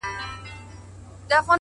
لوړ فکر کوچني خنډونه کمزوري کوي،